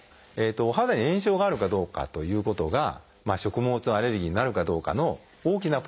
お肌に炎症があるかどうかということが食物アレルギーになるかどうかの大きなポイントになるんですね。